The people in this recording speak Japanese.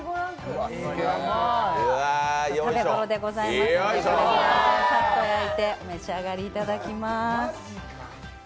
食べごろでございますので、さっと焼いてお召し上がりいただきます。